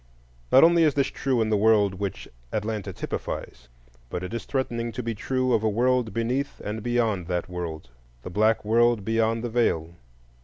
Not only is this true in the world which Atlanta typifies, but it is threatening to be true of a world beneath and beyond that world,—the Black World beyond the Veil.